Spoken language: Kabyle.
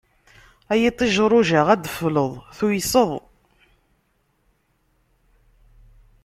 Ay iṭij rujaɣ, ad d-teffleḍ tuyseḍ.